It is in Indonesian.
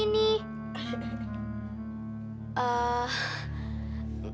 mendingan kakak nginep aja dulu di sini